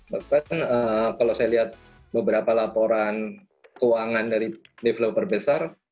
bahkan kalau saya lihat beberapa laporan keuangan dari developer besar